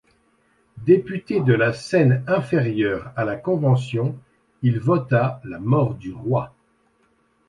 Député de la Seine-Inférieure à la Convention, il vota la mort du roi.